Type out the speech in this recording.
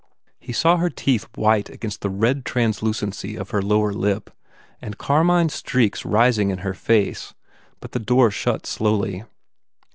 He saw her teeth white against the red translucency of her lower lip and carmine streaks rising in her face, but her door shut slowly.